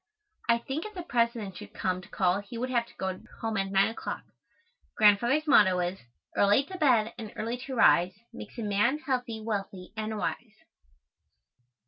I think if the President should come to call he would have to go home at nine o'clock. Grandfather's motto is: "Early to bed and early to rise Makes a man healthy, wealthy and wise."